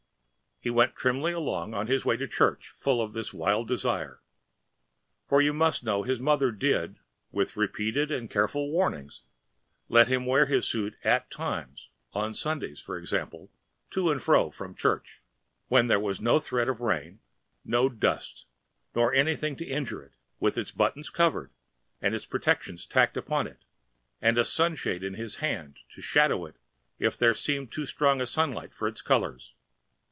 He went trimly along on his way to church full of this wild desire. For you must know his mother did, with repeated and careful warnings, let him wear his suit at times, on Sundays, for example, to and fro from church, when there was no threatening of rain, no dust nor anything to injure it, with its buttons covered and its protections tacked upon it and a sunshade in his hand to shadow it if there seemed too strong a sunlight for its colours.